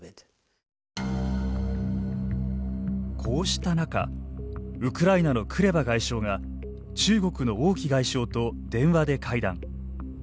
こうした中ウクライナのクレバ外相が中国の王毅外相と電話で会談。